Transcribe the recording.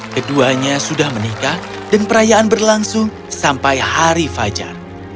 keduanya sudah menikah dan perayaan berlangsung sampai hari fajar